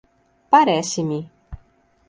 Parece-me